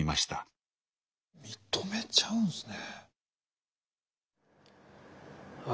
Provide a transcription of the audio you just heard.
認めちゃうんすね。